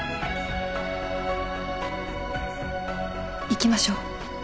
行きましょう。